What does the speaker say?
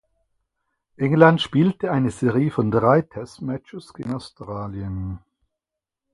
England spielte eine Serie von drei Test Matches gegen Australien.